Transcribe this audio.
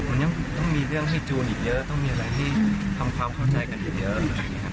มันยังต้องมีเรื่องให้จูนอีกเยอะต้องมีอะไรที่ทำความเข้าใจกันอยู่เยอะเลย